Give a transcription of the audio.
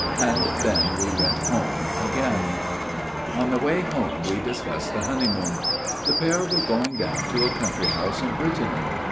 And then we went home again. 296 A MIRROR OF SHALOTT " On the way home we discussed the honeymoon. The pair were going down to a country house in Brittany.